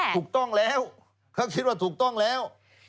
ถูกต้องแล้วเขาคิดว่าถูกต้องแล้ว